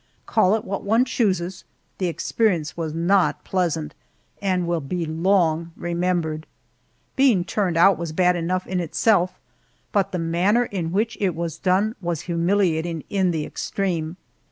Call it what one chooses, the experience was not pleasant and will be long remembered. Being turned out was bad enough in itself, but the manner in which it was done was humiliating in the extreme.